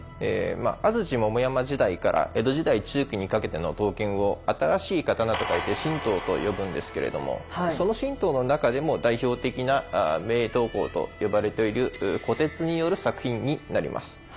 安土桃山時代から江戸時代中期にかけての刀剣を新しい刀と書いて新刀と呼ぶんですけれどもその新刀の中でも代表的な名刀工と呼ばれている虎徹による作品になります。